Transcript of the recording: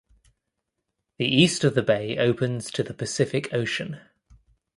The east of the bay opens to the Pacific Ocean.